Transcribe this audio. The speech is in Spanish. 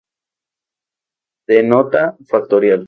Denota factorial.